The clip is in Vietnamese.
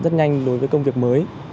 rất nhanh đối với công việc mới